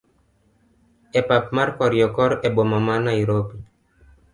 e pap mar kariokor e boma ma Nairobi